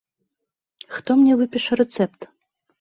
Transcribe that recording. Хто мне выпіша рэцэпт?